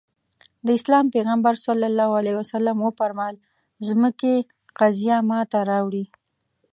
د اسلام پيغمبر ص وفرمايل ځمکې قضيه ماته راوړي.